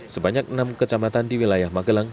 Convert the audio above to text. sebanyak enam kecamatan di wilayah magelang